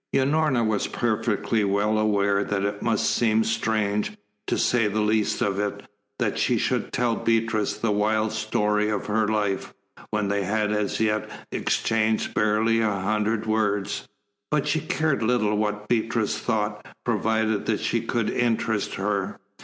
Unorna was perfectly well aware that it must seem strange, to say the least of it, that she should tell Beatrice the wild story of her life, when they had as yet exchanged barely a hundred words. But she cared little what Beatrice thought, provided that she could interest her.